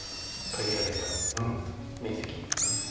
限られた面積の中。